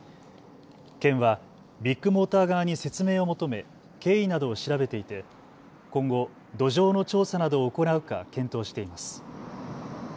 県はビッグモーター側に説明を求め経緯などを調べていて今後、土壌の調査などを行うか検討しています。